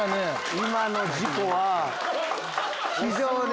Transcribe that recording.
今の事故は非常に。